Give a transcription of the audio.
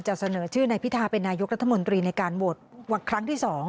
เสนอชื่อนายพิทาเป็นนายกรัฐมนตรีในการโหวตครั้งที่๒